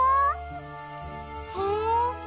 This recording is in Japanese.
へえ。